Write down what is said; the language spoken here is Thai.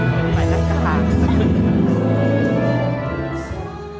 สวัสดีสวัสดี